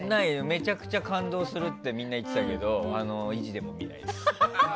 めちゃくちゃ感動するってみんな言ってるけど意地でも見ないです。